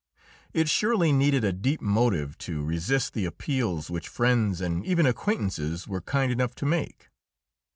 It surely needed a deep motive to resist the appeals which friends and even acquaintances were kind enough to make.